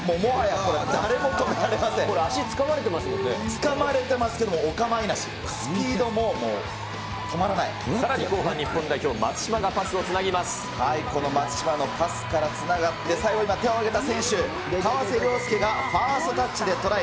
これ、足つかまれてますものつかまれてますけどもお構いさらに後半、日本代表、この松島のパスからつながって、最後、今、手を挙げた選手、河瀬諒介がファーストタッチでトライ。